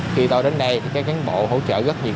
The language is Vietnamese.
khi tôi đến đây các cán bộ hỗ trợ rất nhiều